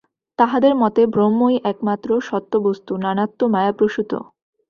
তাঁহাদের মতে ব্রহ্মই একমাত্র সত্য বস্তু, নানাত্ব মায়াপ্রসূত।